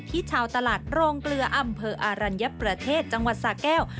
ชาวตลาดโรงเกลืออำเภออารัญญประเทศจังหวัดสาแก้ว